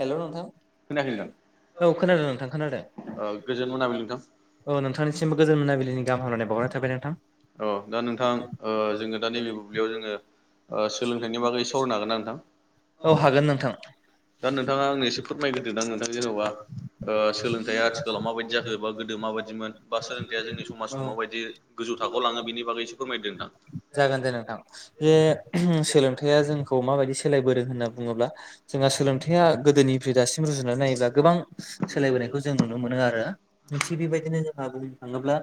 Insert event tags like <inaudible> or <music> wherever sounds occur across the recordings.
Hello नोंथां खोनायाखै नोंथां औ खोनादों नोंथां खोनादों ओ गोजोन मोनाबिलि नोंथां औ नोंथांनिसिमबो गोजोन मोनाबिलिनि गाहामनानै बावरनाय थाबाय नोंथां अ दा नोंथां ओ जोङो दा नैबे बुब्लियाव जोङो ओ सोलोंथाइनि बागै सावरायनो हागोन ना नोंथां औ हागोन नोंथां दा नोंथाङा आंनो एसे फोरमायग्रोदोंदां नोंथांङा जेन'बा ओ सोलोंथाइया आथिखालाव माबायदि जाखो बा गोदो माबायदिमोन बा सोलोंथाइया जोंनि औ समाजखौ माबायदि गोजौ थाखोआव लाङो बेनि बागैसो फोरमायदों नथां जागोन दे नोंथां जे सोलोंथाइआ जोंखौ माबायदि सोलायबोदों होनना बुङोब्ला जोंहा सोलों हथायाइा गोदोनिफ्राय दासिम रुजुनानै नायोब्ला गोबां सोलायबोनायखौ जों नुनो मोनो आरो थिग बेबायदिनो जों बुंनो थाङोब्ला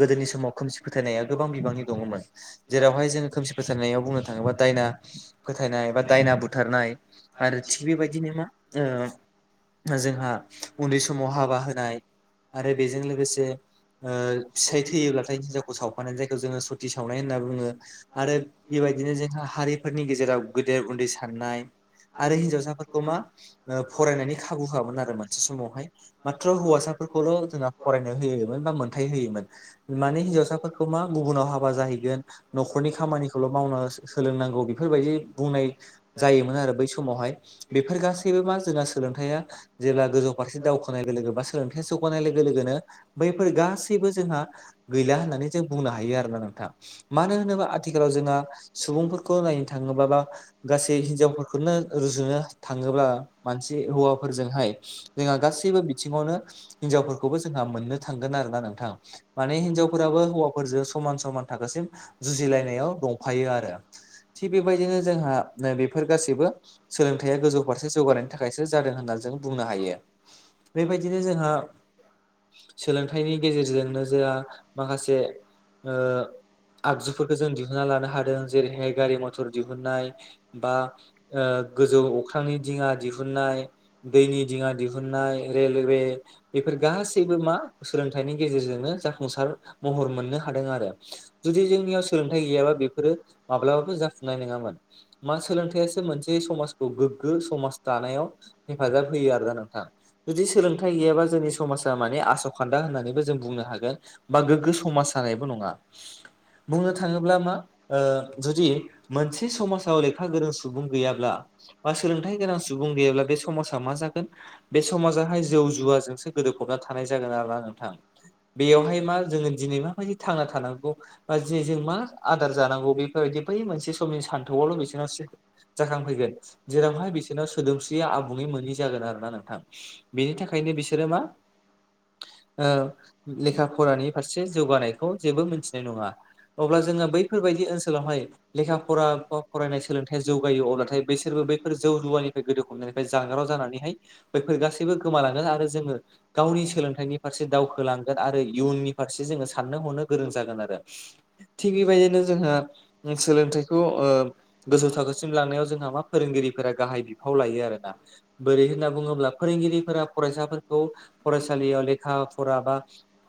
गोदोनि समाव खोमसि फोथायनाया गोबां बिबांनि दङमोन जेरावहाय जोङो खोमसि फोथायनायाव बुंनो थाङोबा दायना फोथायनाय बा दायना बुथारनाय आरो थिग बेबायदिनो जोंङा जोंहा उन्दै समाव हाबा होनाय आरो बेजों लोगोसे फिसाय थैयोब्लाथाय हिनजावखौ सावफानाय जायखौ जोङो सत ति सावनाय होनना बुङो आरो बेबायदिनो जोंहा हारिफोरनि गेजेराव गेदेर उन्दै साननाय आरो हिनजावसाफोरखौ मा फरायनायनि खाबु होआमोन आरो मोनसे समावहाय माथ्र' हौवासाफोरखौल' जोंङा फरायनो होयोमोन बा मोन्थाय होयोमोन माने हिनजावसा फसाफोरखौ मा गुबुनाव हाबा जाहैगोन न'खरनि खामानिखौल' मावनो सोलोंनांगौ बेफोरबायदि बुंनाय जायोमोन आरो बै समावहाय बेफोर गासैबो मा जोंना सोलोंथाइया जेब्ला गोजौ फारसे दावखोनाय लोगो लोगो बा सोलोंथाइ जौगानाय लोगो लोगोनो बैफोर गासैबो जोंहा गैला होननानै जों बुंनो हायो आरोना नोंथां। मानो होनोबा आथिखालाव जोंहा सुबुंफोरखौ नायनो थाङोब बा गासै हिनजावफोरखौनो रुजुनो थाङोब्ला मानसि हौवाफोरजोंहाय जोंहा गासैबो बिथिङावनो हिनजावफोरखौबो जोंहा मोननो थांगोन आरोना नोंथां। माने हिनजावफोराबो हौवाफोरजों समान समान थाखोसिम जुजिलायनायाव दंफायो आरो थिग बेबायदिनो जोंहा बेफोर गासैबो सोलोंथाइया गोजौ फारसे जौगानायनि थाखायसो जादों होननानै जों बुंनो हायो। बेबायदिनो जोंहा सोलोंथाइनि गेजेरजोंनो जा माखासे ओ आगजुफोरखौ जों दिहुनना लानो हादों जेरैहाय गारि मथ मथर दिहुननाय बा ओ गोजौ अख्रांनि दिङा दिहुननाय दैनि दिङा दिहुननाय रेलवे बेफोर गासैबो मा सोलोंथाइनि गेजेरजोंनो जाफुंसार महर मोननो हादों आरो। जुदि जोंनियाव सोलोंथाइ गैयाबा बेफोरो माब्लाबाबो जाफुंनाय नङामोन। मा सोलोंथायासो मोनसे समाज गोग्गो समाज दानायाव हेफाजाब होयो आरो दा नोंथां। जुदि सोलोंथाइ गैयाबा जोंनि समाजा माने आस' खान्दा होन्नानैबो जों बुंनो हागोन बा गोग्गो समाज जानायबो नङा। बुंनो थाङोब्ला मा जुदि मोनसे समाजाव लेखा गोरों सुबुं गैयाब्ला बा सोलोंथाइ गोनां सुबुं गैयाब्ला बे समाजाव मा जागोन बे समाजाहाय जौ जुवाजोंसो गोदोफबना थानाय जागोन आरो ना नोंथां बेयावहाय मा जोङो दिनै माबायदि थांना थानांगौ बा जे जों मा आदार जानांगौ बेफोरबायदि बै मोनसे समनि सान्थौआवल' बिसोरनासो जाखांफैगोन जेरावहाय बिसोरनाव सोदोमस्रिया आबुङै मोै जागोन आरो ना नोंथां। बिनि थाखायनो बिसोरो मा ओ लेखा फरानि फारसे जौगानायखौ जेबो मोनथिनाय नङा अब्ला जोङो बैफोरबायदि ओनसोलावहाय लेखा फरा बा फरायनाय सोलोंथायाइया जौगायो अब्लाथाय बेसोरबो बैफोर जौ जुवानिफ्राय गोदो खमनायनिफ्राय जानगाराव जानानैहाय बैफोर गासैबो गोमालाांगोन आरो जोङो गावनि सोलोंथाइनि फारसे दावखोलां आरो इयुननि फारसे जोङो साननो हनो गोरों जागोन आरो थिग बेबायदिनो जोंहा सोलोंथाइखौ ओ गोजौ थाखोसिम लांनायाव जोंहा मा फोरोंगिरिफोरा गाहाय बिफाव लायो आरोना बोरै होनना बुङोब्ला फोरोंगिरिफोरा फरायसाफोरखौ फरायसालियाव लेखा फरा बा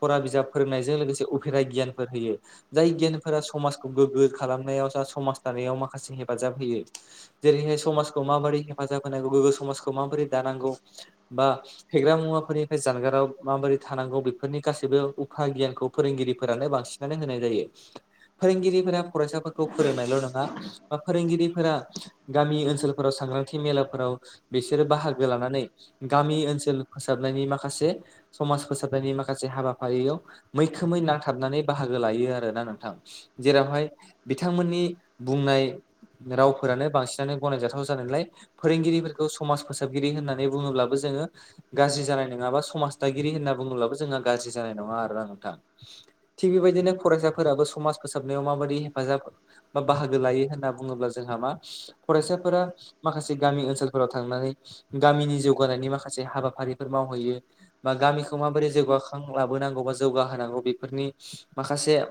फरा बिजाब फोरोंनायजों लोगोसे उफेराइ गियानफोर होयो। जायगियानफोरा समाजखौ गोग्गो खालामनायाव जा समाज दाव माखासे हेफाजाब होयो। जेरैहाय समाजखौ माबोरै हेफाजाब होनांगौ गोग्गो समाजखौ माबोरै दानांगौ बा फेग्रा मुवाफोरनिफ्राय जानगाराव माबोरै थानांगौ बे बेफोरनि गासैबो उखा गियानखौ फोरोंगिरिफोरानो बांसिनानो होनाय जायो। फोरोंगिरिफोरा फरायसाफोरखौ फोरोंनायल' नङा बा फोरोंगिरिफोरा गामि ओनसोलफोराव सांग्रांथि मेलाफोराव बिसोरो बाहागो लानानै गामि ओनसोल फोसाबनायनि माखासे समाज फोसाबनायनि माखासे हाबाफारियाव मैखोमै नांथाबनानै बाहागो लायो आरोना नोंथां। जेरावहाय बिथांमोननि बुंनाय रावफोरानो बांसिन गनायजाथाव जानायलाय फोरोंगिरिफोरखौ समाज फोसाबगिरि होननानै बुङोब्लाबो जोङो गाज्रि जानाय नङा बा समाज दागिरि होनना बुङोब्लाबो जोंहा गाज्रि जानाय नङा आरोना नोंथां। थिग बेबायदिनो फरायसाफोराबो समाज फोसाबनायाव माबादि हेफाजाब बा बाहागो लायो होनना बुङोब्ला जोंहा मा फरायसाफोरा माखासे गामि ओनसोलफोराव थांनानै गामिनि जौगानायनि माखासे हाबाफारि फोर मावहैयो बा गामिखौ माबोरै जौगाखां लाबोनांगौ बा जौगाहोनांगौ बेफोरनि माखासे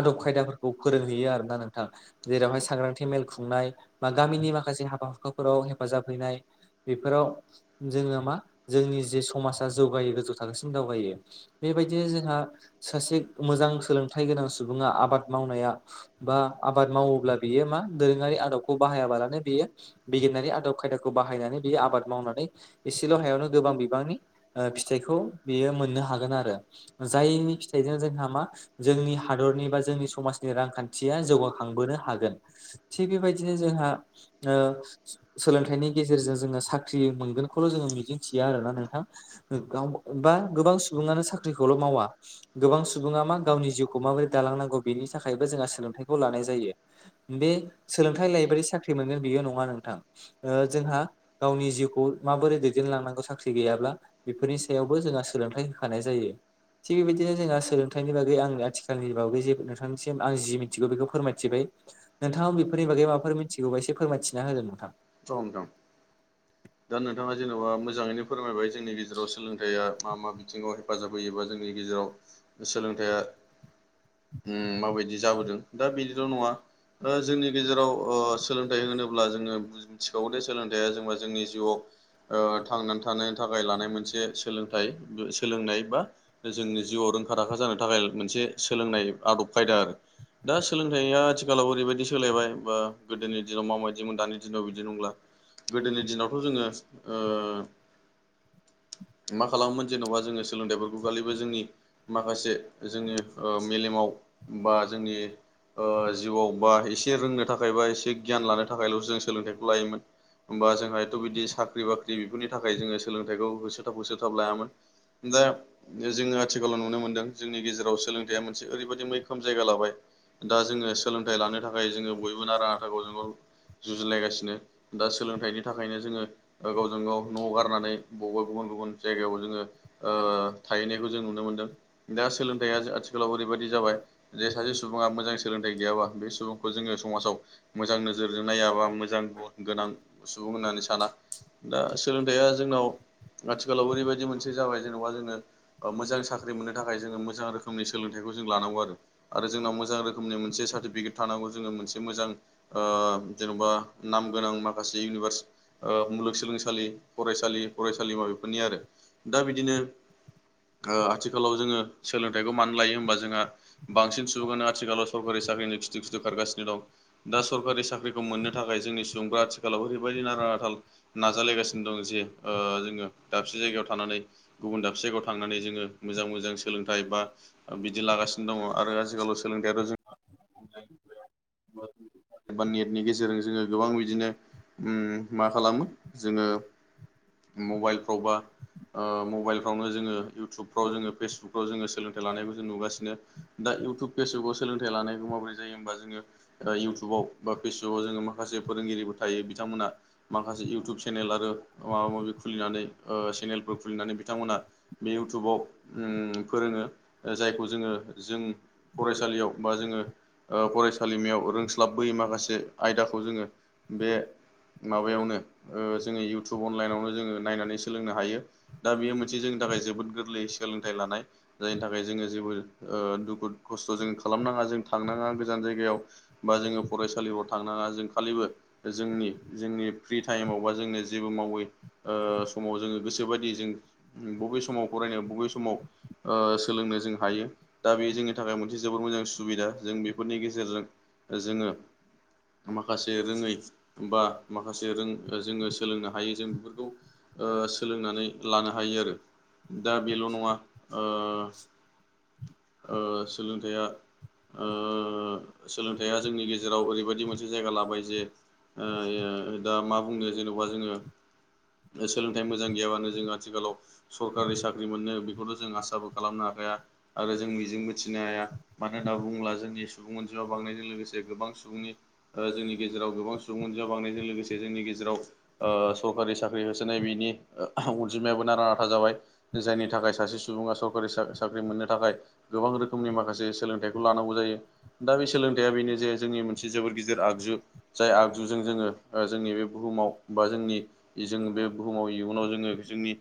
आदब खायदाफोरखौ फोरोंहैयो आरोना नोंथाङा जेरावहाय सांग्रांथि मेल खुंनाय। बा गामिनि माखासे हाबा हुखाफोराव हेफाजाब हैनाय बेफोराव जोङो मा जोंनि जे समाजा जौगायो गोजौ थाखोसिम दावगायो बेबायदिनो जोंहा सासे मोजां सोलोंथाइ गोनां सुबुङा आबाद मावनाया बा आबाद मावोब्ला बेयो मा दोरोङारि आदबखौ बाहायाबालानो बेयो बिगियानारि आदब खायदाखौ बाहायनानै बेयो आबाद मावनानै एसेल' हायावनो गोबां बिबांनि फिथाइखौ बेयो मोननो हागोन आरो जायनि फिथाइजों जोंहा मा जोंनि हादरनि बा जोंनि समाजनि रांखान्थिया जौगाखांबोनो हागोन थिग बेबायदि दिनो जोंहा सोलोंथाइनि गेजेरजों जोङो साख्रि मोनगोनखौल' जोङो मिजिंथिया आरोना नोंथां गाव बा गोबां सुबुङानो साख्रिखौल' मावा। गोबां सुबुङा मा गावनि जिउखौ माबोरै दालांनांगौ बेनि थाखायबो जोंहा सोलोंथाइखौ लानाय जायो। बे सोलोंथाइ लायोबादि साख्रि मोनगोन बियो नङा नोंथां जोंहा गावनि जिउखौ माबोरै दैदेनलांनांगौ साख्रि गैयाब्ला बेफोरनि सायावबो जोंहा सोलोंथाइ होखानाय जायो। थिग बेबायदिनो जोंहा सोलोंथाइनि बागै आंनि आथिखालनि बागै जे नोंथांनिसिम आं जि मिथिगौ बेखौ फोरमायथिबाय नोंथाङा बेफोरनि बागै माबाफोर मिथिगौबा एसे फोरमायथिना होदो नोंथां। औ नोंथां। दा नोंथाङा जेन'बा मोजाङैनो फोरमायबाय जोंनि गेजेराव सोलोंथाइया मा मा बिथिङावहाय हेफाजाब होयोबा जोंनि गेजेराव सोलोंथाइया माबायदि जाबोदों दा बिदिल' नङा। जोंनि गेजेराव सोलोंथाइ होनोब्ला जोङो मिथिखागौ दे सोलोंथाइया जेनेबा जोंनि जिउआव थांनानै थानायनि थाखाय लानाय मोनसे सोलोंथाइ सोलोंनाय बा जोंनि जिउआव रोंखा राखा जानो थाखाय मोनसे सोलोंनाय आदब खायदा दा सोलोंथाइया आथिखालाव ओरैबायदि सोलायबाय बा गोदोनि दिनाव माबायदिमोन दानि दिनाव बिदि नंला। गोदोनि दिनावथ' जोङो मा खालामोन जेन'बा जोङो सोलोंथाइफोरखौ खालिबा जोंनि माखासे जोंनि मेलेमाव बा जोंनि जिउआव बा एसे रोंनो थाखाय बा एसे गियान लानो थाखायल'सो जों सोलोंथाइखौ लायोमोन। होमबा जोंहा एथ' बिदि साख्रि बाख्रि बेफोरनि थाखाय जोङो सोलोंथाइखौ होसोथाब होसोथाब लायामोन। दा जोङो आथिखालाव नुनो मोनदों जोंनि गेजेराव सोलोंथाइया मोनसे ओरैबायदि मैखोम जायगा लाबाय दा जोङो सोलों थाइ लानो थाखाय जोङो बयबो नारा नाथाखौ जोंङो जुजिलायगासिनो दा सोलोंथाइनि था खायनो जोङो गावजों गाव न' गारनानै बबेबा गुबुन गुबुन जायगायाव जोङो ओ थाहैनायखौ जों नुनो मोनदों। दा सोलोंथाइया आथिखालाव ओरैबायदि जाबाय जे सासे सुबुङा मोजां सोलोंथाइ गैयाबा बे सुबुंखौ जोङो समाजाव मोजां नोजोरजों नायाबा मोजां गुन गोनां सुबुं होननानै साना दा सोलोंथाइया जोंनाव आथिखालाव ओरैबायदि मोनसे जाबाय जेनेबा जोङो ओ- मोजां साख्रि साख्रि मोननो थाखाय जोङो मोजां रोखोमनि सोलोंथाइखौ लानांगौ आरो आरो जोंनाव मोजां रोखोमनि मोनसे सार्टिफिकेट थानांगौ जोङो मोनसे मोजां ओ जेन'बा नाम गोनां माखासे इउनिभार्स ओ मुलुगसोलोंसालि फरायसालि फरायसालिमा बेफोरनि आरो दा बिदिनो ओ आथिखालाव जोङो सोलोंथाइखौ मानो लायो होमबा जोंहा बांसिन सुबुङानो आथिखालाव सरकारि साख्रिनि खिथु खिथु खारगासिनो दं। दा सरकारि साख्रिखौ मोननो थाखाय जोंनि सुबुंफ्रा आथिखालाव ओरैबायदि नारा नाथाल नाजालायगासिनो दं जे ओ- जोङो दाबसे जायगायाव थानानै गुबुन दाबसे जायगायाव थांनानै जोङो मोजां मोजां सोलोंथाइ बा बिदि लागासिनो दङ आरो आथिखालाव सोलोंथायाथ' जों- एबा नेटनि गेजेरजों जोङो गोबां बिदिनो उम- मा खालामो जोङो मबाइलफ्रावबा ओ- मबाइलफ्रावनो जोङो इउटुब फ्राव जोङो फेसबुकफ्राव जोङो सोलोंथाइ लानायखौ जों नुगासिनो दा इउटुब फेसबुकाव सोलोंथाइ लानायखौ माबोरै जायो होमबा जोङो ओ- इउटुब इउटुबाव बा फेसबुकाव जोङो माखासे फोरोंगिरिफोर थायो बिथांमोना माखासे इउटुब चेनेल आरो माबा माबि खुलिनानै ओ- सेनेलफोर खुलिनानै बिथांमोना बे इउटुबाव उम- फोरोङो जायखौ जोङो जों फरायसालियाव बा जोङो ओ- फरायसालिमायाव रों क्लाबबोयै माखासे आयदाखौ जोङो बे माबायावनो जोङो ओ- इउटुब अनलाइनावनो जोङो नायनानै सोलोंनो हायो दा बेयो मोनसे जोंनि थाखाय जोबोद गोरलै सोलोंथाइ लानाय जायनि थाखाय जोङो जेबो ओ- दुखु खस्थ' जों खालामनाङा जों थांनाङा गोजान जायगायाव बा जोङो फरायसालिफ्राव थांनाङा जों खालिबो जोंनि जोंनि फ्रि टाइमाव बा जोंनो जेबो मावै ओ- समाव जोङो गोसो गोसोबायदि जों उम- बबे समाव फरायनो बबे समाव ओ- सोलोंनो जों हायो दा बे जोंनि थाखाय मोनसे जोबोर मोजां सुबिदा जों बेफोरनि गेजेरजों जोङो माखासे रोङै बा माखासे रों- जोङो सोलोंनो हायो जों बेफोरखौ ओ- सोलोंनानै लानो हायो आरो दा बेल' नङा ओ- - ओ- सोलोंथाइया ओ- सोलों थाया जोंनि गेजेराव ओरैबायदि मोनसे जायगा लाबाय जे ओ- दा मा बुंनो जेन'बा जोङो सोलोंथाइ मोजां गैयाबानो जों आथिखालाव सरकारि साख्रि मोनो बेखौथ' जों आसाबो खालामनो हाखाया आरो जों मिजिं मिथिनो हाया मानो होनना बुङोब्ला जोंनि सुबुं अनजिमा बांनाय लोगोसे गोबां सुबुंनि ओ- जोंनि गेजेराव गोबां सुबुं अनजिमा बांनायजों लोगोसे जोंनि गेजेराव ओ- सरकारि साख्रि होसोनाय बेनि अनजिमायाबो नारा नाथा जाबाय जायनि थाखाय सासे सुबुङा सरकारि सा- साख्रि मोननो थाखाय गोबां रोखोमनि माखासे सोलोंथाइखौ लानांगौ जायो दा बे सोलोंथाइया बेनो जे जोंनि मोनसे जोबोर गिदिर आगजु जाय आगजुजों जोङो ओ- जोंनि बे बुहुमाव बा जोंनि जों बे बुहुमाव इयुनाव जोङो जोंनि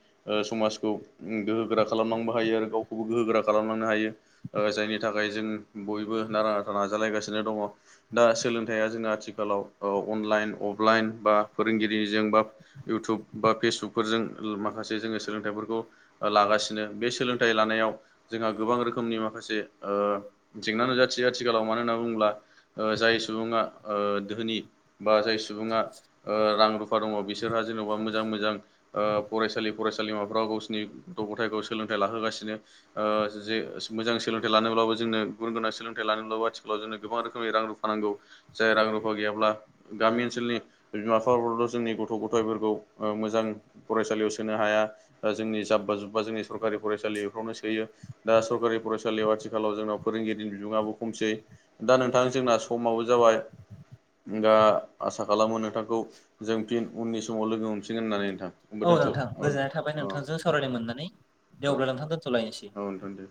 समाजखौ गोहो गोरा खालामनांबो हायो आरो गावखौबो गोहो गोरा खालामलांनो हायो जायनि थाखाय जों बयबो नारा नाथा नाजालायगासिनो दङ दा सोलोंथाइया जोंना आथिखालाव अनलाइन अफलाइन बा फोरोंगिरिजों बा इउटुब बा फेसबुकफोरजों माखासे जोङो सोलोंथाइफोरखौ लागासिनो बे सोलोंथाइ लानायाव जोंहा गोबां रोखोमनि माखासे जें जाथियो आथिखालाव मानो होनना बुङोब्ला जाय सुबुङा धोनि बा जाय सुबुङा रां रुफा दङ बिसोरहा जेन'बा मोजां- मोजां फरायसालि फरायसालिमाफ्राव गावसिनि गथ ग'थायखौ सोलोंथाइ लाहोगासिनो जे मोजां सोलोंथाइ लानोब्लाबो जोंनो गुन गोनां सोलोंथाइ लानोब्लाबो आथिख गाव जनो गोां रोखोमनि रां रुफा नांगौ जाय रां रुफा गैयाब्ला गामि ओनसोलनि बिमा बिफाफोरल' जोंनि गथ' गथ' गथायफोरखौ मोजां फरायसालियाव सोनो हाया दा जोंनि जाब्बा जुब्बा जोंनि सरकारि फरायसालि बेफोरावनो सोयो दा सरकारि फरायसालियाव आथिखालाव जोंनाव फोरोंगिरिनि बिबुङआो खमसै दा नोंथां जोंना समाबो जाबाय। दा आसा खालामो नोंथांखौ जों फिन उननि समाव लोगो हमफिनगोन होननानै। नोंथां हब दोनथ' औ अ दवब्ला ल नथां दोनथ'ायनोसै <unintelligible> औ दे